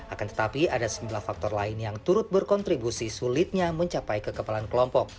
akan tetapi ada sejumlah faktor lain yang turut berkontribusi sulitnya mencapai kekebalan kelompok